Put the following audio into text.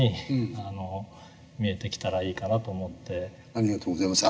ありがとうございます。